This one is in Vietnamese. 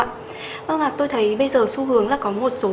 vâng ạ tôi thấy bây giờ xu hướng là có một số